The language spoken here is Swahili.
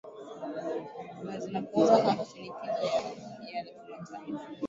na zinapuuza hata shinikizo ya la kimataifa